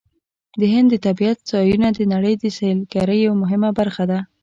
د هند د طبیعت ځایونه د نړۍ د سیلګرۍ یوه مهمه برخه ده.